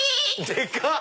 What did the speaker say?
でかっ！